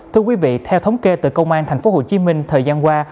thưa quý vị theo thống kê từ công an tp hcm thời gian qua